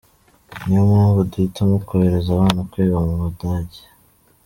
Ni yo mpamvu duhitamo kohereza abana kwiga mu Budage.